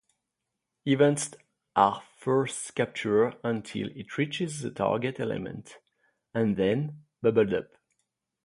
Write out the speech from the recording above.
Events are first captured until it reaches the target element, and then bubbled up.